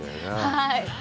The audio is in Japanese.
はい。